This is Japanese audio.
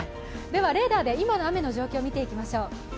レーダーで今の雨の状況を見ていきましょう。